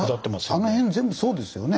あの辺全部そうですよね。